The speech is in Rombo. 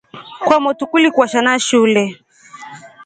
Kwamotru kuli kwasha na shule.